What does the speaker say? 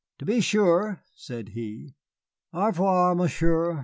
"To be sure," said he. "Au revoir, Monsieur.